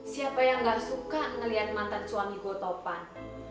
siapa yang gak suka melihat mantan suami gue topan